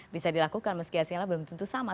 bisa dilakukan meski hasilnya belum tentu sama